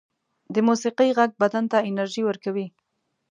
د موسيقۍ غږ بدن ته انرژی ورکوي